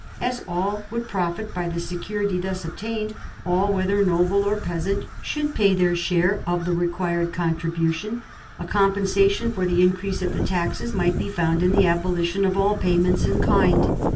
As all would profit by the security thus obtained, all, whether noble or peasant, should pay their share of the required contribution. A compensation for the increase of the taxes might be found in the abolition of all payments in kind.